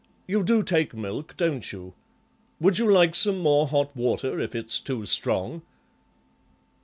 You do take milk, don't you? Would you like some more hot water, if it's too strong?"